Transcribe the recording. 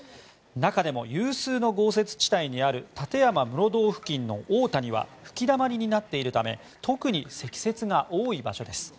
中でも有数の豪雪地帯にある立山室堂付近の大谷は吹きだまりになっているため特に積雪が多い場所です。